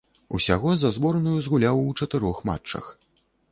Усяго за зборную згуляў у чатырох матчах.